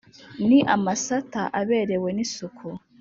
Ni amasata aberewe n'isuku